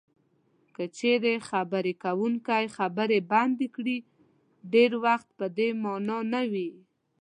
که چېرې خبرې کوونکی خبرې بندې کړي ډېری وخت په دې مانا نه وي.